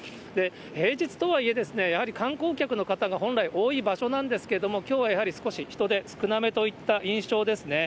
平日とはいえ、やはり観光客の方が、本来、多い場所なんですけども、きょうはやはり少し人出、少なめといった印象ですね。